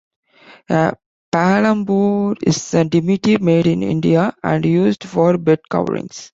A palampore is a dimity made in India and used for bed coverings.